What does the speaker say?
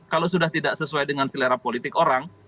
kalau sudah tidak sesuai dengan selera politik orang